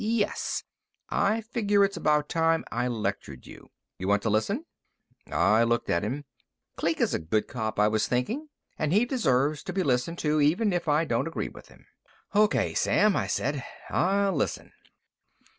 Yes, I figure it's about time I lectured you! You want to listen?" I looked at him. Kleek is a good cop, I was thinking, and he deserves to be listened to, even if I don't agree with him. "O.K., Sam," I said, "I'll listen."